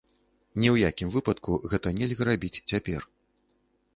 Ні ў якім выпадку гэта нельга рабіць цяпер.